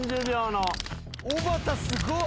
おばたすごっ！